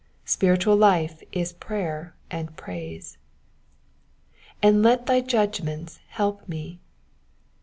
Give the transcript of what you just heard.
Spiritual life is prayer and praise. *' 4nd let thy judgments help m^."